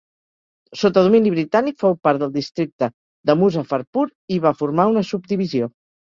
Sota domini britànic fou part del districte de Muzaffarpur i va formar una subdivisió.